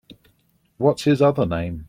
What’s his other name?